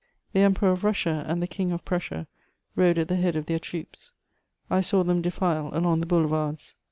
The Emperor of Russia and the King of Prussia rode at the head of their troops. I saw them defile along the boulevards.